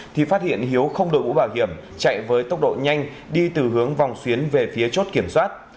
thì phát hiện hiếu không đội mũ bảo hiểm chạy với tốc độ nhanh đi từ hướng vòng xuyến về phía chốt kiểm soát